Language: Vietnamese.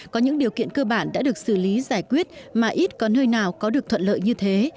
có những điều kiện cơ bản đã được xử lý giải quyết mà ít có nơi nào có được thuận lợi như thế